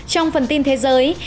trong phần tin thế giới